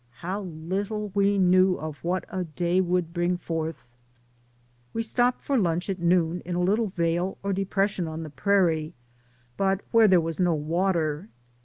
How little we knew of what a day would bring forth. We stopped for lunch at noon in a little vale, or depression, on the prairie, but where there was no water.